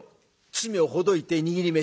包みをほどいて握り飯。